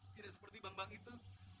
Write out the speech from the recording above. tidak seperti bank bank itu